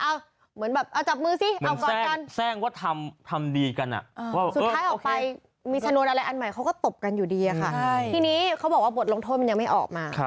เมื่อก่อนลงโทษยังไม่ออกมา